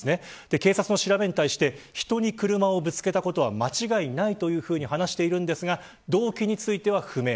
警察の調べに対して人に車をぶつけたことは間違いないというふうに話していますが動機については不明。